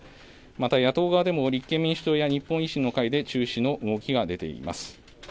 また野党側でも立憲民主党や日本維新の会で中止の動きが出ています。